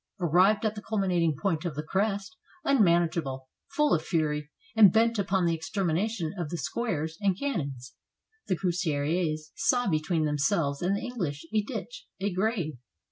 Arrived at the culmi nating point of the crest, unmanageable, full of fury, and bent upon the extermination of the squares and cannons, the cuirassiers saw between themselves and the English a ditch, a grave.